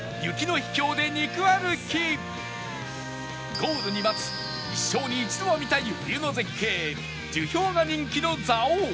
ゴールに待つ一生に一度は見たい冬の絶景樹氷が人気の蔵王